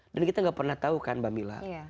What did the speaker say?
dan kita gak pernah tahu kan mbak mila